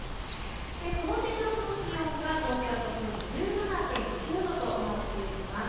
この時間の気温が東京都心１７．９度となっています。